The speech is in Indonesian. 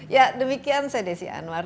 ya demikian saya desi anwar